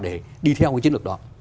để đi theo cái chiến lược đó